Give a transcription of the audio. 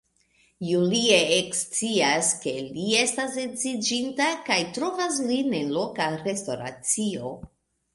Julie ekscias ke li estas edziĝinta kaj trovas lin en loka restoracio.